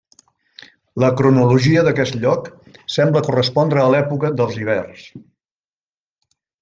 La cronologia d'aquest lloc sembla correspondre a l'època dels ibers.